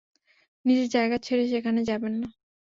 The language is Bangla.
নিজের জায়গা ছেড়ে সেখানে যাবেননা।